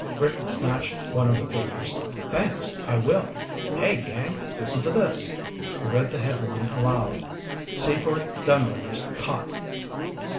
Rick snatched one of the papers. "Thanks, I will. Hey, gang, listen to this!" He read the headline aloud. "'Seaford Gunrunners Caught.'"